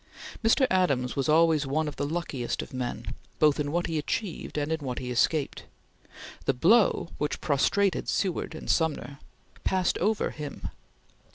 Mr. Adams was always one of the luckiest of men, both in what he achieved and in what he escaped. The blow, which prostrated Seward and Sumner, passed over him.